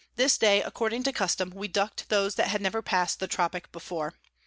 25._ This day, according to custom, we duck'd those that had never pass'd the Tropick before.